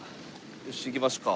よし行きましょか。